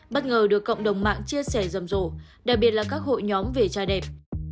bất ngờ được cộng đồng mạng chia sẻ rầm rổ đặc biệt là các hội nhóm về trai đẹp